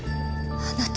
あなた。